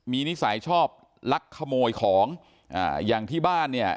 มีนิสัยชอบลักขโมยของอ่าอย่างที่บ้านเนี่ย